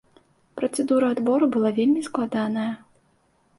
Працэдура адбору была вельмі складаная.